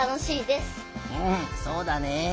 そうだね。